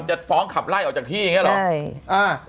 จะฟ้องขับไล่ออกจากที่อย่างนี้เหรอ